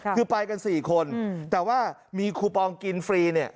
คือไปกัน๔คนแต่ว่ามีคูปองกินฟรีเนี่ย